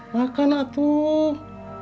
dia pada muzik